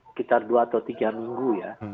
sekitar dua atau tiga minggu ya